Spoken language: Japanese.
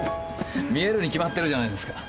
見えるに決まってるじゃないですか。